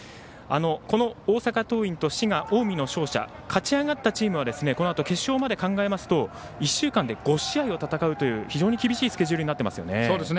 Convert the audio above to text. この大阪桐蔭と滋賀・近江の勝者勝ち上がったチームは決勝まで考えますと１週間で５試合を戦うという非常に厳しいスケジュールになっていますよね。